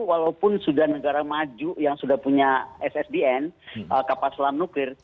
walaupun sudah negara maju yang sudah punya ssdn kapal selam nuklir